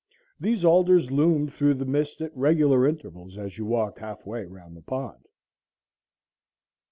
These alders loomed through the mist at regular intervals as you walked half way round the pond.